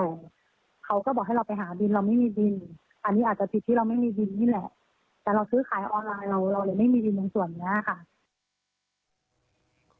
อันนี้อาจจะผิดที่เราไม่มีบิลนี่แหละ